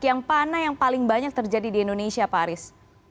yang mana yang paling banyak terjadi di indonesia pak aris